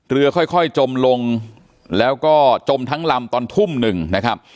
เรือค่อยจมลงแล้วก็จมทั้งลำตอนทุ่มหนึ่งนะครับ